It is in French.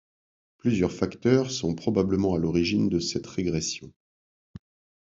Plusieurs facteurs sont probablement à l'origine de cette régression.